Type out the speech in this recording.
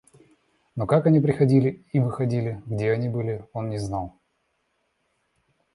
Но как они приходили и выходили, где они были, он не знал.